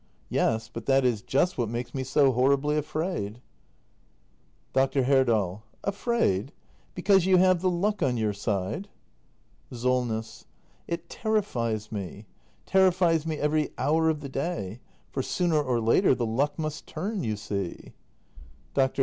] Yes, but that is just what makes me so horribly afraid. Dr. Herdal. Afraid? Because you have the luck on your side! Solness. It terrifies me — terrifies me every hour of the day. For sooner or later the luck must turn, you see. Dr.